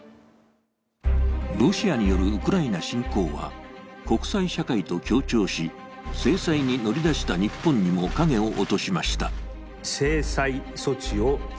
ロシアによるウクライナ侵攻は国際社会と協調し、制裁に乗り出した日本にも影を落としました。